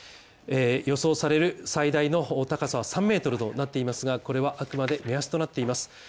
予想される最大の高さは３ｍとなっていますがこれはあくまで目安となっています